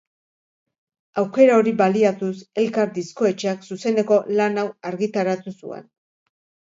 Aukera hori baliatuz Elkar diskoetxeak zuzeneko lan hau argitaratu zuen.